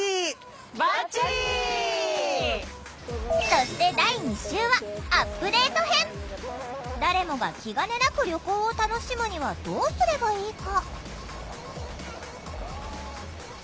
そして誰もが気兼ねなく旅行を楽しむにはどうすればいいか？